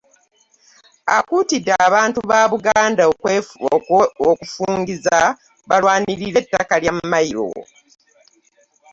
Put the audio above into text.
Akuutidde abantu ba Buganda okufungiza balwanirire ettaka lya mayiro